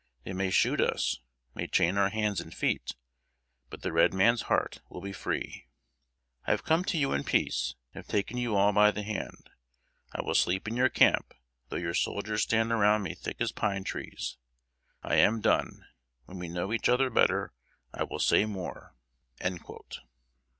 They may shoot us may chain our hands and feet; but the red man's heart will be free. I have come to you in peace, and have taken you all by the hand. I will sleep in your camp, though your soldiers stand around me thick as pine trees. I am done: when we know each other better, I will say more."